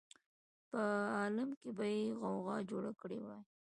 په عالم کې به یې غوغا جوړه کړې وای.